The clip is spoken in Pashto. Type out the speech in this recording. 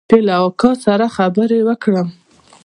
چې له اکا سره خبرې وکم.